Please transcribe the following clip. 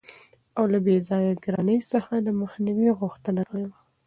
او له بې ځایه ګرانۍ څخه دمخنیوي غوښتنه کړې وه.